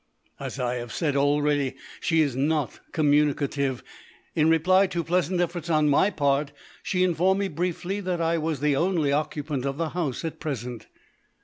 As I have said already, she is not communicative. In reply to pleasant efforts on my part she informed me briefly that I was the only occupant of the house at present.